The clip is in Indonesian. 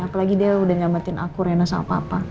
apalagi dia udah nyamatin aku rina sama papa